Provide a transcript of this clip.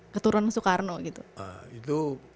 keturunan soekarno gitu